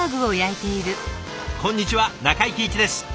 こんにちは中井貴一です。